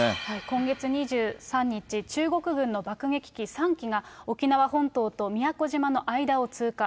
今月２３日、中国軍の爆撃機３機が、沖縄本島と宮古島の間を通過。